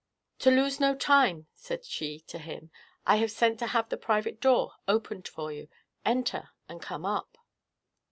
"To lose no time," said she to him, "I have sent to have the private door opened for you. Enter, and come up."